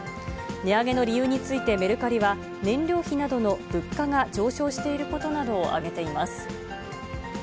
値上げの理由についてメルカリは、燃料費などの物価が上昇していることなどを挙げています。